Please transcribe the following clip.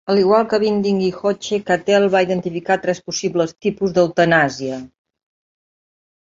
Al igual que Binding i Hoche, Catel va identificar tres possibles tipus d'eutanàsia.